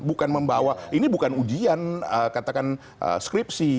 bukan membawa ini bukan ujian katakan skripsi